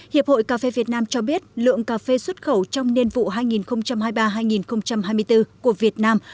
hiệp hội cà phê việt nam cho biết lượng cà phê xuất khẩu trong niên vụ hai nghìn hai mươi ba hai nghìn hai mươi bốn của việt nam